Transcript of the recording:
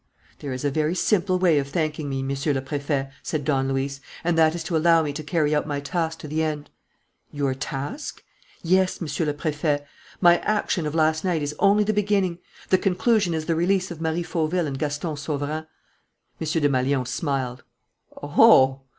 "There is a very simple way of thanking me, Monsieur le Préfet," said Don Luis, "and that is to allow me to carry out my task to the end." "Your task?" "Yes, Monsieur le Préfet. My action of last night is only the beginning. The conclusion is the release of Marie Fauville and Gaston Sauverand." M. Desmalions smiled. "Oh!"